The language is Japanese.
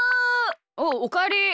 おうおかえり。